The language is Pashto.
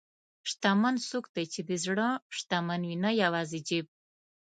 شتمن څوک دی چې د زړه شتمن وي، نه یوازې جیب.